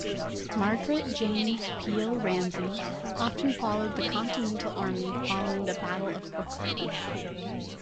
Margaret Jane Peale Ramsey often followed the Continental Army following the Battle of Brooklyn.